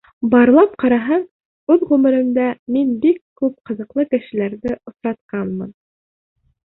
Барлап ҡараһаң, үҙ ғүмеремдә мин бик күп ҡыҙыҡлы кешеләрҙе осратҡанмын.